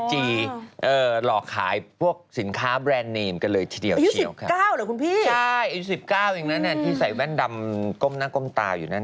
ใช่อายุ๑๙อย่างนั้นที่ใส่แว่นดำก้มหน้าก้มตาอยู่นั่น